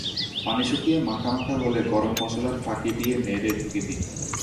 পানি শুকিয়ে মাখা মাখা হলে গরমমসলার ফাঁকি দিয়ে নেড়ে ঢেকে দিন।